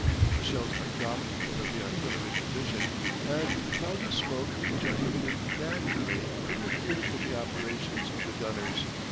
The shells are dropped in front of the artillery position and the clouds of smoke which are emitted naturally inter fere with the operations of the gunners.